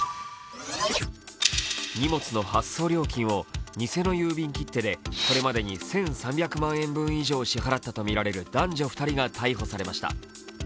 荷物の発送料金を偽の郵便切手で１３００万円分以上支払ったとみられる男女２人が逮捕されました。